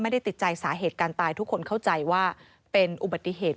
ติดใจสาเหตุการตายทุกคนเข้าใจว่าเป็นอุบัติเหตุ